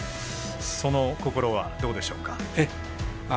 その心はどうでしょうか。